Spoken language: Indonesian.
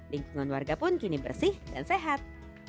lingkungan warga pun kini bersih dan sehat